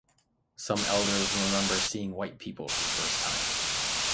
Some elders remember seeing white people for the first time.